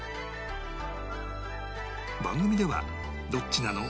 番組ではどっちなの？